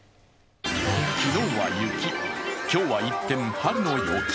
昨日は雪、今日は一転春の陽気。